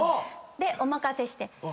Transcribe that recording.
でお任せして。